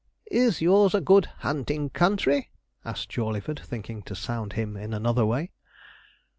'Is yours a good hunting country?' asked Jawleyford, thinking to sound him in another way.